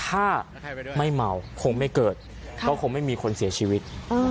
ถ้าไม่เมาคงไม่เกิดก็คงไม่มีคนเสียชีวิต